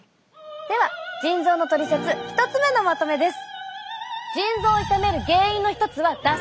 では腎臓のトリセツ１つ目のまとめです。